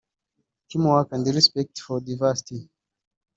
team work and respect for diversity